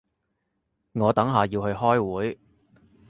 我等下要去開會